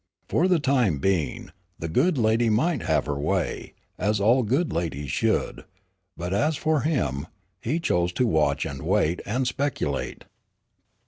For the time being, the good lady might have her way, as all good ladies should, but as for him, he chose to watch and wait and speculate.